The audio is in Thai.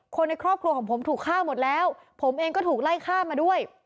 คนในครอบครัวของผมถูกฆ่าหมดแล้วผมเองก็ถูกไล่ฆ่ามาด้วย